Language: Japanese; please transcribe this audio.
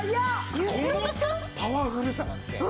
このパワフルさがですね